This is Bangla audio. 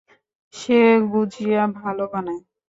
সে গুজিয়া ভালো বানায়।